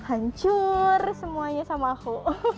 ancur semuanya sama aku